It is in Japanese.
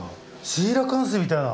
シーラカンスみたいな。